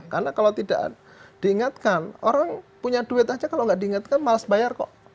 karena kalau tidak diingatkan orang punya duit aja kalau nggak diingatkan males bayar kok